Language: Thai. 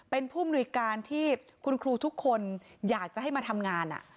เป็นผู้มนุยการที่คุณครูทุกคนอยากจะให้มาทำงาน